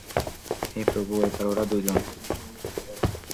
হে প্রভু, এবার ওরা দুজন।